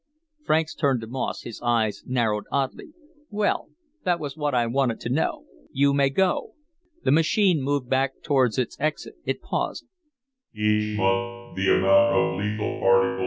Franks turned to Moss, his eyes narrowed oddly. "Well, that was what I wanted to know. You may go." The machine moved back toward its exit. It paused.